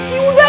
rifqi udah dong